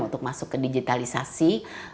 untuk masuk ke digitalisasi